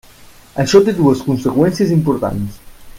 Això té dues conseqüències importants.